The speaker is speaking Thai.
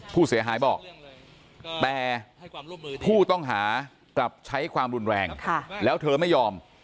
ผู้เสียหายบอกแต่ผู้ต้องหากลับใช้ความรุนแรงแล้วเธอไม่ยอม